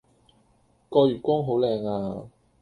個月光好靚呀